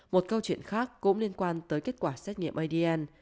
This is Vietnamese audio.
một câu chuyện khác cũng liên quan tới kết quả xét nghiệm adn